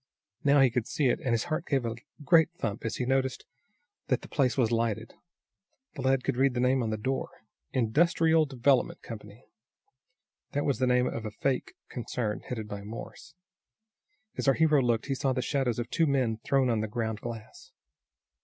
Now he could see it, and his heart gave a great thump as he noticed that the place was lighted. The lad could read the name on the door. "Industrial Development Company." That was the name of a fake concern headed by Morse. As our hero looked he saw the shadows of two men thrown on the ground glass.